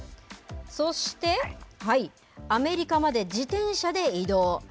そして、アメリカまで自転車で移動。